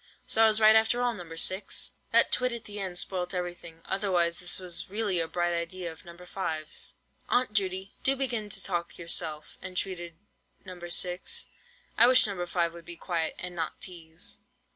So I was right after all, No. 6!" That twit at the end spoilt everything, otherwise this was really a bright idea of No. 5's. "Aunt Judy, do begin to talk yourself," entreated No. 6. "I wish No. 5 would be quiet, and not teaze."